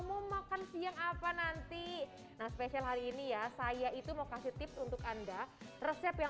mau makan siang apa nanti nah spesial hari ini ya saya itu mau kasih tips untuk anda resep yang